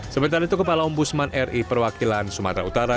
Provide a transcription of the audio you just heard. sementara itu kepala ombudsman ri perwakilan sumatera utara